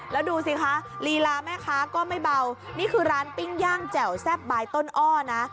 แล้วดูสิคะลีลาแม่ค้าก็ไม่เบานี่คือร้านปิ้งย่างแจ่วแซ่บบายต้นอ้อนะ